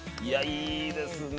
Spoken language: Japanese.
いいですね。